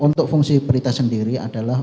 untuk fungsi berita sendiri adalah